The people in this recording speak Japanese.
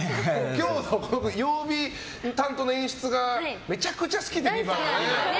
今日の曜日担当の演出がめちゃくちゃ好きで「ＶＩＶＡＮＴ」が。